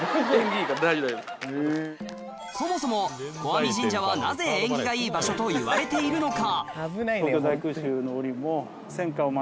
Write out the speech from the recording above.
そもそも小網神社はなぜ縁起がいい場所といわれているのか？